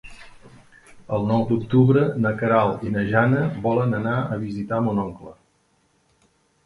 El nou d'octubre na Queralt i na Jana volen anar a visitar mon oncle.